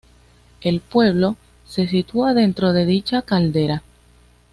El pueblo, se sitúa dentro de dicha caldera.